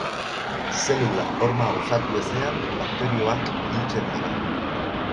Zelula horma osatu ezean bakterioak hiltzen dira.